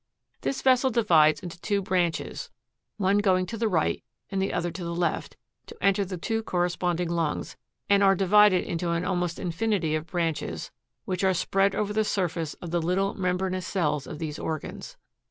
This vessel divides into two branches, one going to the right and the other to the left, to enter the two corresponding lungs, and are divided into almost an infinity of branches, which are spread over the surface of the little membranous cells of these orpins.